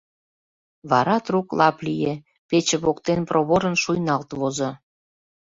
Вара трук лап лие, пече воктен проворын шуйналт возо.